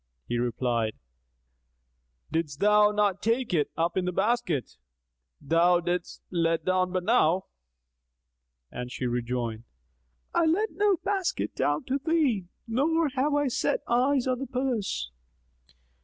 He replied, "Didst thou not take it up in the basket thou diddest let down but now?"; and she rejoined, "I let no basket down to thee, nor have I set eyes on the purse."